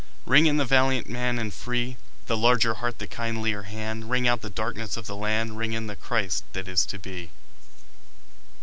Ring in the valiant man and free, The larger heart, the kindlier hand; Ring out the darkenss of the land, Ring in the Christ that is to be.